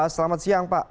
selamat siang pak